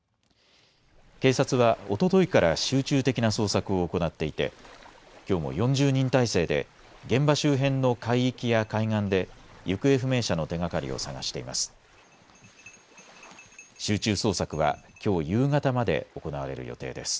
警察はおとといから集中的な捜索を行っていてきょうも４０人体制で現場周辺の海域や海岸で行方不明者の手がかりを捜しています。